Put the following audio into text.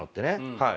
はい。